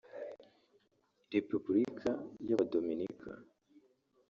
Repubulika y’Abadominika